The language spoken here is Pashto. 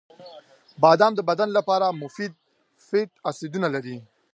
• بادام د بدن لپاره د مفید فیټ اسیدونه لري.